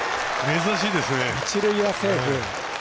珍しいですね。